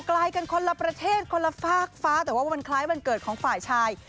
ไกลกันคนละประเทศคนละฝากฟ้าแต่ว่าวันคล้ายวันเกิดของฝ่ายชาย